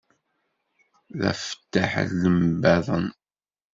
D afeṭṭaḥ n lembaḍen.